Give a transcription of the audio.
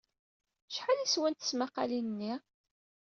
Acḥal ay swant tesmaqqalin-nni?